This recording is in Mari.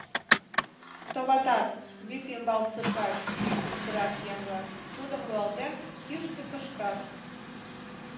Товатат, вӱд ӱмбал цыркач! — кычкырат еҥ-влак, тудым руалтен, кӱшкӧ кышкат.